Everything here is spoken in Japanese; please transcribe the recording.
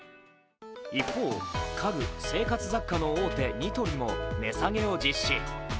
一方、家具・生活雑貨の大手ニトリも値下げを実施。